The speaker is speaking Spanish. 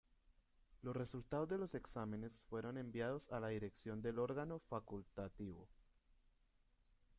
Los resultados de los exámenes fueron enviados a la Dirección del Órgano Facultativo.